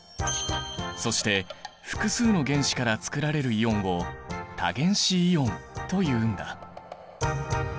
そして複数の原子からつくられるイオンを多原子イオンというんだ。